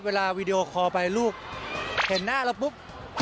เวลาวีดีโอคอลล์ไปลูกเห็นหน้าแล้วปุ๊บ